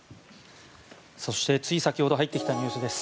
そしてつい先ほど入ってきたニュースです。